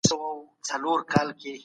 موږ په نرمښت کولو بوخت یو.